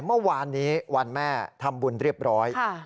เมื่อวานนี้วันแม่ทำบุญเรียบร้อย